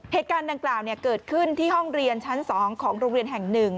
เหตุการณ์ดังกล่าวเกิดขึ้นที่ห้องเรียนชั้น๒ของโรงเรียนแห่ง๑